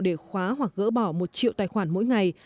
để khóa hoặc gỡ bỏ một triệu tài khoản mỗi ngày